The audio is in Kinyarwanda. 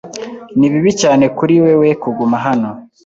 Ni bibi cyane kuri wewe kuguma hano.